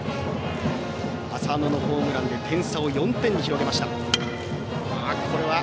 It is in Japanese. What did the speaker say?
浅野のホームランで点差を４点に広げました。